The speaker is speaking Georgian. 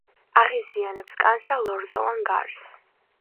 აღიზიანებს კანს და ლორწოვან გარს.